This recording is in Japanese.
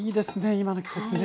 今の季節ね。